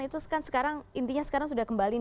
itu kan sekarang intinya sekarang sudah kembali